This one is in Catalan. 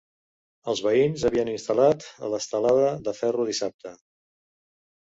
Els veïns havien instal·lat l’estelada de ferro dissabte.